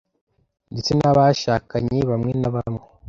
ndetse n’abashakanye bamwe na bamwe.